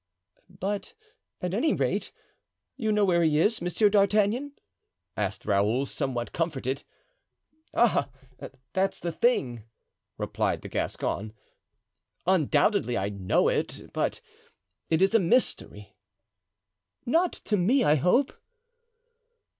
"But at any rate, you know where he is, Monsieur d'Artagnan?" asked Raoul, somewhat comforted. "Ah! that's the thing!" replied the Gascon. "Undoubtedly I know it, but it is a mystery." "Not to me, I hope?"